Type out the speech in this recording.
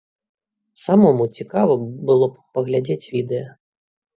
Самому цікава было б паглядзець відэа.